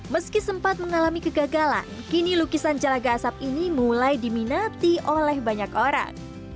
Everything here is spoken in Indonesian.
meski sempat mengalami kegagalan kini lukisan jelaga asap ini mulai diminati oleh banyak orang